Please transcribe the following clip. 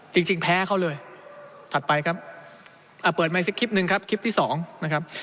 จริงแพ้เข้าเลยถัดไปครับเปิดใหม่ซิคลิปหนึ่งครับคลิปที่สองนะครับ